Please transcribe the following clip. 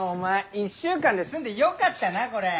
１週間で済んでよかったなこれ。